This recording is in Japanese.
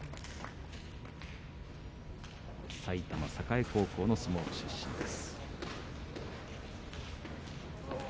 埼玉栄高校の相撲部出身です。